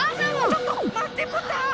ちょっとまってポタ！